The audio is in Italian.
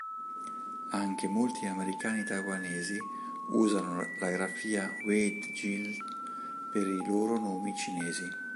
Anche molti americani-taiwanesi usano la grafia Wade-Giles per i loro nomi cinesi.